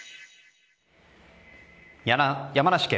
山梨県